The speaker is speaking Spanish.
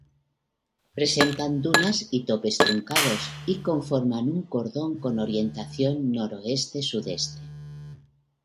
Presentan dunas y topes truncados, y conforman un cordón con orientación noroeste-sudeste.